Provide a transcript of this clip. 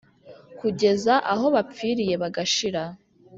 kugeza aho bapfiriye bagashira. “